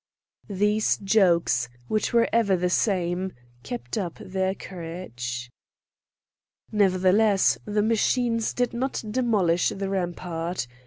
These jokes, which were ever the same, kept up their courage. Nevertheless the machines did not demolish the rampart.